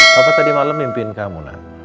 papa tadi malam mimpiin kamu